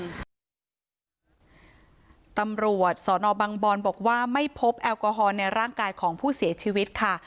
ตำรวจสนบังบอนบอกว่าไม่พบแอลกอฮอลในร่างกายของผู้เสียชีวิตค่ะ